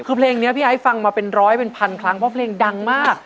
คือเพลงนี้พี่ไอ้ฟังมาเป็นร้อยเป็นพันครั้งเพราะเพลงดังมาก